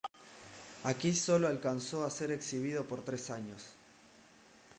Aquí sólo alcanzó a ser exhibido por tres años.